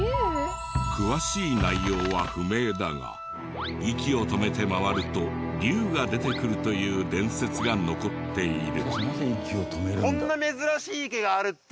詳しい内容は不明だが息を止めて回ると龍が出てくるという伝説が残っている。